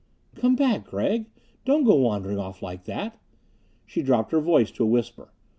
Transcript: "Come back, Gregg! Don't go wandering off like that!" She dropped her voice to a whisper.